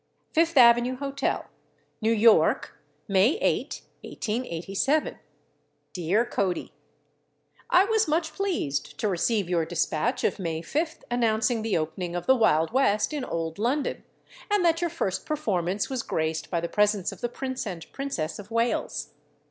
FIFTH AVENUE HOTEL, NEW YORK, May 8, 1887. DEAR CODY: I was much pleased to receive your dispatch of May 5th announcing the opening of the Wild West in old London, and that your first performance was graced by the presence of the Prince and Princess of Wales.